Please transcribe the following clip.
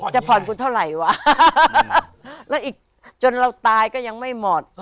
จะผ่อนคุณเท่าไหร่วะแล้วอีกจนเราตายก็ยังไม่หมด